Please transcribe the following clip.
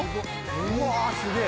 うわすげぇ・・